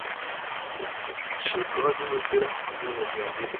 ashinzwe ibikorwa by Umujyi we nabagenzi be